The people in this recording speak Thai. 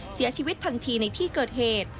เสียชีวิตทันทีในที่เกิดเหตุ